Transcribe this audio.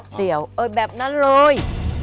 เสียวเออแบบนั้นเลย